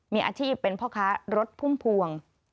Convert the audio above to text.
มีอาชีพเป็นพ่อค้ารถพุ่มพวง